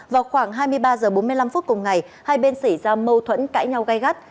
vào khoảng hai mươi ba h bốn mươi năm phút cùng ngày hai bên xảy ra mâu thuẫn cãi nhau gai gắt